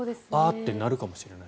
ってなるかもしれない。